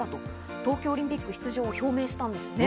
東京オリンピック出場を表明したんです。